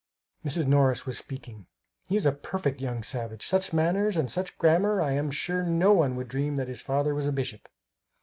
Mrs. Morris was speaking: "He is a perfect young savage! Such manners, and such grammar I am sure no one would dream that his father was a bishop.